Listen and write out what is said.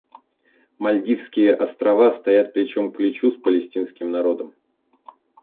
Мальдивские Острова стоят плечом к плечу с палестинским народом.